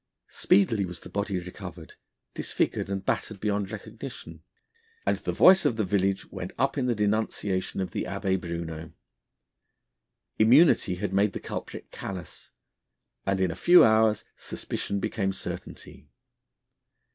Speedily was the body recovered, disfigured and battered beyond recognition, and the voice of the village went up in denunciation of the Abbé Bruneau. Immunity had made the culprit callous, and in a few hours suspicion became certainty.